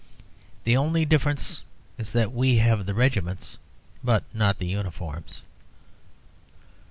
The only difference is that we have the regiments, but not the uniforms.